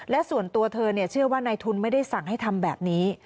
และส่วนตัวเธอเชื่อว่านายทุนไม่ได้สั่งให้ทำแบบนี้